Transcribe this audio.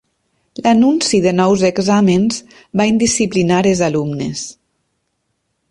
L'anunci de nous exàmens va indisciplinar els alumnes.